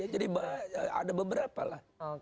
jadi ada beberapa lah